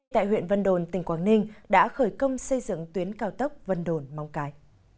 tại huyện vân đồn tỉnh quảng ninh đã khởi công xây dựng tuyến cao tốc vân đồn móng cái